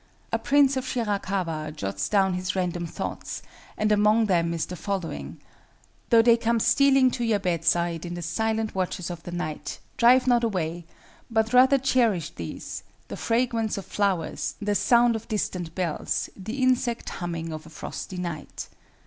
A Prince of Shirakawa jots down his random thoughts, and among them is the following: "Though they come stealing to your bedside in the silent watches of the night, drive not away, but rather cherish these—the fragrance of flowers, the sound of distant bells, the insect humming of a frosty night."